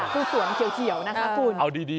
คือสวมเขียวนะคะคุณ